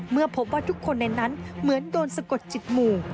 เมื่อพบว่าทุกคนในนั้นเหมือนโดนสะกดจิตหมู่